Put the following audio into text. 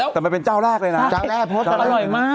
แต่มันเป็นเจ้าแรกเลยนะเจ้าแรกเพราะว่า